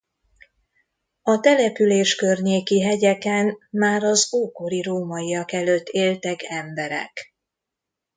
A település környéki hegyeken már az ókori rómaiak előtt éltek emberek.